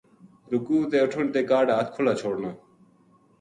رکوع تے اٹھن تے کاہڈ ہتھ کھلا چھوڑنا۔